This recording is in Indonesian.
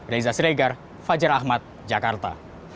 reza siregar fajar ahmad jakarta